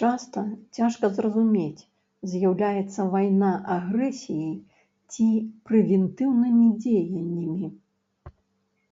Часта цяжка зразумець, з'яўляецца вайна агрэсіяй ці прэвентыўнымі дзеяннямі.